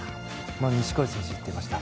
錦織選手言ってました。